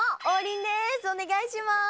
お願いします。